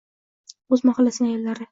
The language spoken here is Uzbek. O'z mahallasining ayollari.